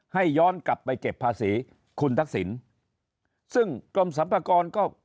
ย้อนกลับไปเก็บภาษีคุณทักษิณซึ่งกรมสรรพากรก็